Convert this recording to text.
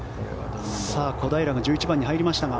さあ、小平が１１番に入りましたが。